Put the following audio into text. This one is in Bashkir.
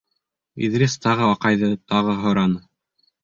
Иҙрис тағы аҡайҙы, тағы һораны.